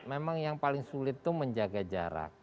memang yang paling sulit itu menjaga jarak